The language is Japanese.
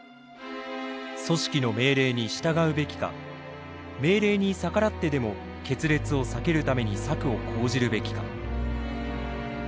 組織の命令に従うべきか命令に逆らってでも決裂を避けるために策を講じるべきか。